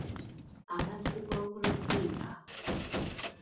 Amazzi g’oku lutimpa.